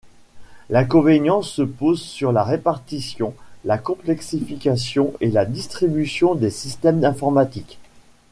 L’inconvénient se pose sur la répartition, la complexification et la distribution des systèmes informatiques.